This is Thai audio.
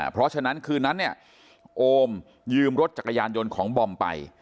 เพราะฉะนั้นคืนนั้นเนี่ยโอมยืมรถจักรยานยนต์ของบอมไป